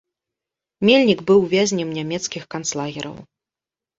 Мельнік быў вязнем нямецкіх канцлагераў.